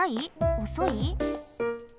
おそい？